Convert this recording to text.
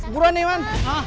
buruan nih man